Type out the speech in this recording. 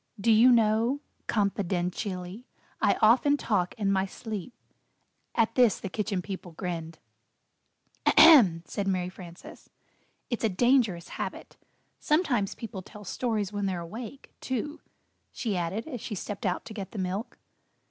Do you know," con fi den ti al ly, "I often talk in my sleep." At this the Kitchen People grinned. [Illustration: He pretended to be asleep.] "Ahem!" said Mary Frances, "It's a dangerous habit. Sometimes people tell stories when they're awake, too," she added as she stepped out to get the milk.